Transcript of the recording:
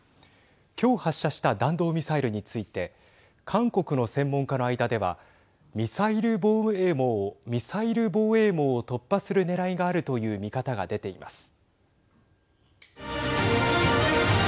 今日、発射した弾道ミサイルについて韓国の専門家の間ではミサイル防衛網を突破するねらいがあるという見方が出ています。